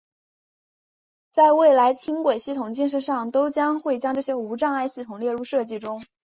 在未来轻轨系统建设上都会将这些无障碍系统列入设计中。